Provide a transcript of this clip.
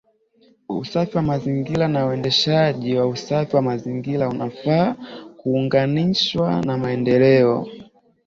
Usafi wa mazingira na uendelezaji wa usafi wa mazingira unafaa kuunganishwa na maendeleo